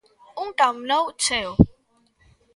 Un Camp Nou cheo.